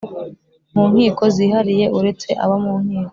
Mu nkiko zihariye uretse abo mu nkiko